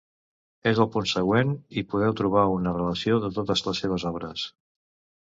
En el punt següent hi podeu trobar una relació de totes les seves obres.